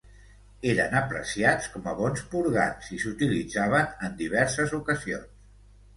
Eren apreciats com a bons purgants, i s'utilitzaven en diverses ocasions.